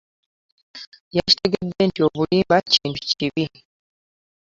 Yakitegedde nti obulimba kintu kibi.